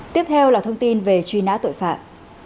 tiếp theo là thông tin về truy nã tội phạm